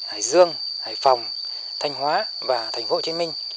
hải dương hải phòng thanh hóa và thành phố hồ chí minh